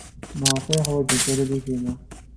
Maɣef ay ḥwajent tallalt-inu?